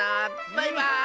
バイバーイ！